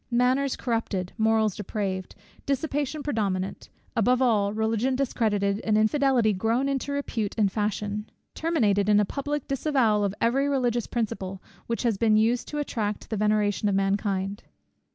Manners corrupted, morals depraved, dissipation predominant, above all, Religion discredited, and infidelity grown into repute and fashion, terminated in the public disavowal of every religious principle, which had been used to attract the veneration of mankind.